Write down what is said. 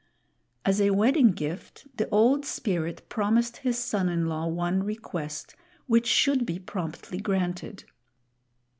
As a wedding gift the Old Spirit promised his son in law one request, which should be promptly granted.